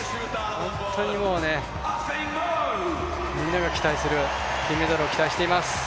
本当にみんなが金メダルを期待しています。